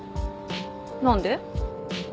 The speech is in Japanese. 何で？